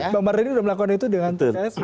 bang mardhani sudah melakukan itu dengan tkf